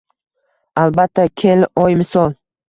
Albatta kel oy misol;